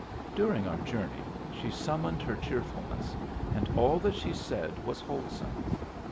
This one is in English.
During our journey she summoned her cheerfulness, and all that she said was wholesome.